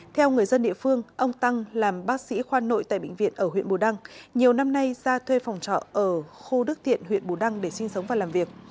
theo người dân địa phương ông tăng làm bác sĩ khoa nội tại bệnh viện ở huyện bù đăng nhiều năm nay ra thuê phòng trọ ở khu đức tiện huyện bù đăng để sinh sống và làm việc